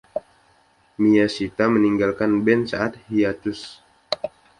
Miyashita meninggalkan band saat hiatus.